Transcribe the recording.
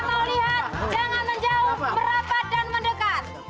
mau lihat jangan menjauh merapat dan mendekat